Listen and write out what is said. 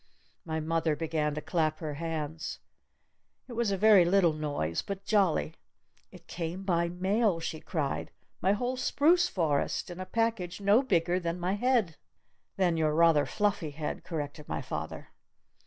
My mother began to clap her hands. It was a very little noise. But jolly. "It came by mail!" she cried. "My whole spruce forest! In a package no bigger than my head!" "Than your rather fluffy head!" corrected my father.